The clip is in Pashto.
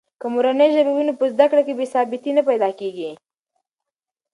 که مورنۍ ژبه وي نو په زده کړه کې بې ثباتي نه پیدا کېږي.